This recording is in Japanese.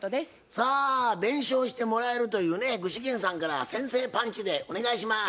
さあ弁償してもらえるというね具志堅さんから先制パンチでお願いします。